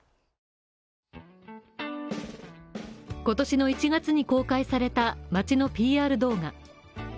今年の１月に公開された街のＰＲ動画。